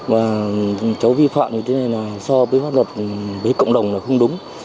và cháu vi phạm như thế này là so với pháp luật với cộng đồng là không đúng